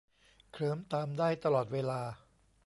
เคลิ้มตามได้ตลอดเวลา